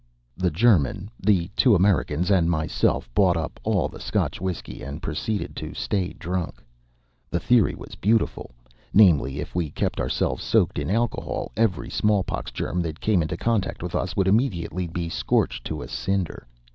The German, the two Americans, and myself bought up all the Scotch whiskey, and proceeded to stay drunk. The theory was beautiful namely, if we kept ourselves soaked in alcohol, every smallpox germ that came into contact with us would immediately be scorched to a cinder.